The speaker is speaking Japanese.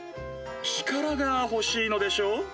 力が欲しいのでしょう？